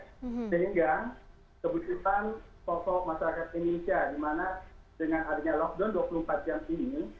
sehingga kebutuhan pokok masyarakat indonesia dimana dengan adanya lockdown dua puluh empat jam ini